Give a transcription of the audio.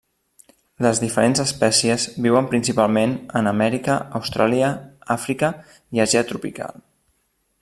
Les diferents espècies viuen principalment en Amèrica, Austràlia, Àfrica i Àsia tropical.